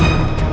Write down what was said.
aku akan menang